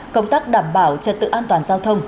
công tác đảm bảo trật tự an toàn giao thông